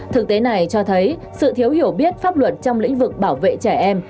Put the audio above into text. thực tế này cho thấy sự thiếu hiểu biết pháp luật trong lĩnh vực bảo vệ trẻ em